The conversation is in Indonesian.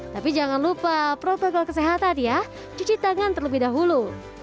tapi jangan lupa protokol kesehatan ya cuci tangan terlebih dahulu